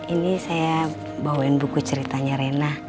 ini saya bawain buku ceritanya rena